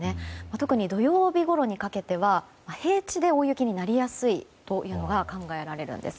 特に土曜日ごろにかけては平地で大雪になりやすいというのが考えられるんです。